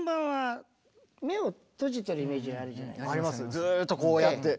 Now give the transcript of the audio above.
ずっとこうやって。